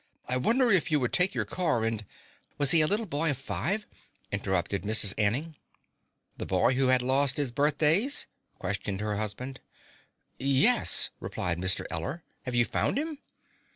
I wonder if you would take your car and " "Was he a little boy of five?" interrupted Mrs. Anning. "The boy who had lost his birthdays?" questioned her husband. "Yes," replied Mr. Eller. "Have you found him?"